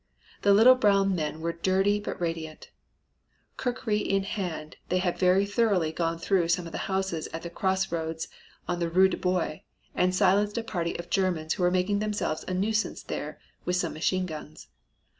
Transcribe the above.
The little brown men were dirty but radiant. Kukri in hand they had very thoroughly gone through some houses at the cross roads on the Rue du Bois and silenced a party of Germans who were making themselves a nuisance there with some machine guns.